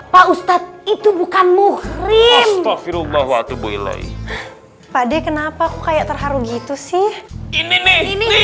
pak ustadz itu bukan muhrim astagfirullah waatubu ilaih pade kenapa kayak terharu gitu sih ini nih